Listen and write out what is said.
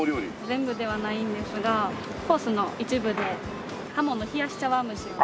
全部ではないんですがコースの一部でハモの冷やし茶碗蒸しが。